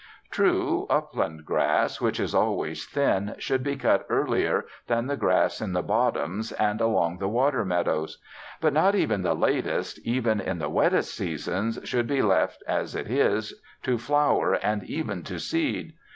True, upland grass, which is always thin, should be cut earlier than the grass in the bottoms and along the water meadows; but not even the latest, even in the wettest seasons, should be left (as it is) to flower and even to seed.